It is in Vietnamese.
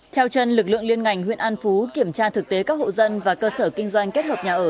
theo chân lực lượng liên ngành huyện an phú kiểm tra thực tế các hộ dân và cơ sở kinh doanh kết hợp nhà ở